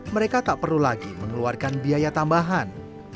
mereka tak perlu lagi mengeluarkan biaya tambahan